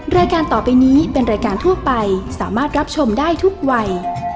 รายการต่อไปนี้เป็นรายการทั่วไปสามารถรับชมได้ทุกวัย